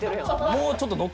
もうちょっとノ